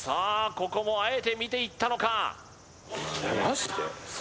ここもあえて見ていったのか？